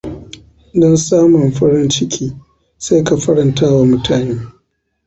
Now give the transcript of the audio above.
Don samun farin ciki, sai ka farantawa mutane.